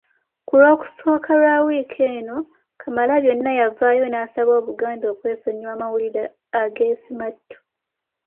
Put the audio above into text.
Ku Lwokusooka lwa wiiki eno Kamalabyonna yavaayo n'asaba Obuganda okwesonyiwa amawulire ag’ensimattu.